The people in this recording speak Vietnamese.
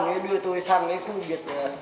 nó đưa tôi sang cái khu biệt